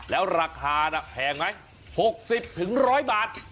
แล้วราคาแพงไหม๖๐๑๐๐บาท